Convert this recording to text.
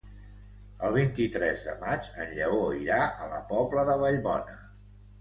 El vint-i-tres de maig en Lleó irà a la Pobla de Vallbona.